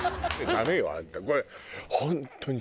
ダメよあんた。